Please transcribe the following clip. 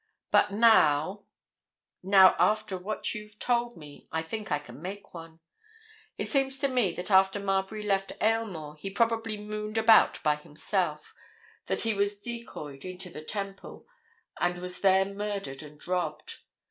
But now—now, after what you've told me, I think I can make one. It seems to me that after Marbury left Aylmore he probably mooned about by himself, that he was decoyed into the Temple, and was there murdered and robbed.